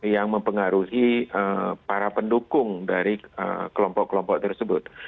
yang mempengaruhi para pendukung dari kelompok kelompok tersebut